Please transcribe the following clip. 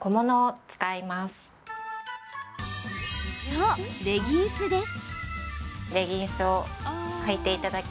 そう、レギンスです。